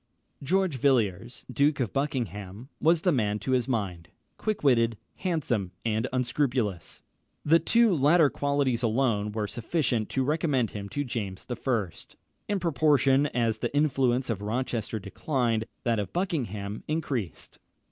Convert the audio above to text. George Villiers, Duke of Buckingham, was the man to his mind: quick witted, handsome, and unscrupulous. The two latter qualities alone were sufficient to recommend him to James I. In proportion as the influence of Rochester declined, that of Buckingham increased.